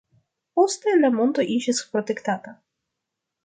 Poste la monto iĝis protektata.